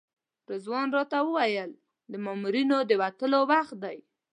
رضوان راته وویل د مامورینو د وتلو وخت دی.